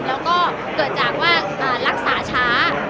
แล้วก็เกิดจากว่ารักษาช้า